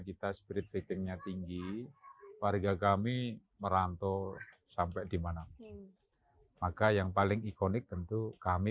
kita spirit ratingnya tinggi warga kami merantau sampai dimana maka yang paling ikonik tentu kami